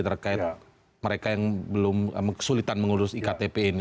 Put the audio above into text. terkait mereka yang sulit mengurus ektp ini